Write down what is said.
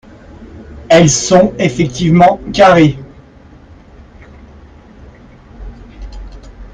Elles sont effectivement carrées.